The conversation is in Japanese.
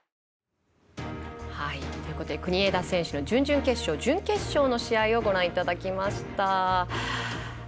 国枝選手の準々決勝と準決勝の試合をご覧いただきました。